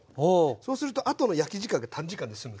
そうするとあとの焼き時間が短時間で済む。